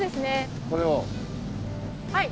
はい。